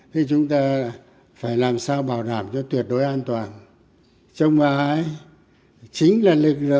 thì chúng ta phải làm sao bảo đảm cho tất cả